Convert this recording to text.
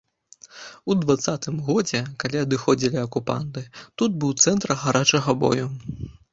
У дваццатым годзе, калі адыходзілі акупанты, тут быў цэнтр гарачага бою.